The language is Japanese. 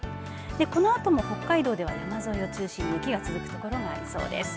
このあとも北海道では山沿いを中心に雪が続くところがありそうです。